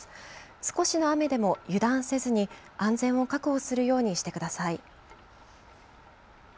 少しの雨でも油断せずに安全を確保するようにしてください。